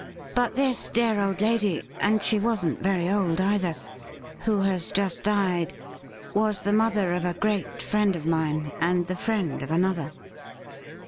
But this dear old lady — and she wasn't very old, either — who has just died was the mother of a great friend of mine, and the friend of another.'